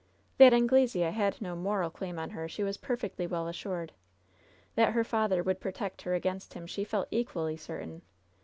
That Anglesea had no moral claim on her she was per fectly well assured. That her father would protect her against him she felt equally certain.